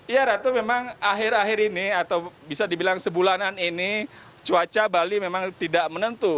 ya ratu memang akhir akhir ini atau bisa dibilang sebulanan ini cuaca bali memang tidak menentu